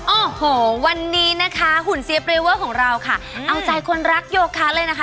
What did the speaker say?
โอ้โหวันนี้นะคะหุ่นเสียเปรเวอร์ของเราค่ะเอาใจคนรักโยคะเลยนะคะ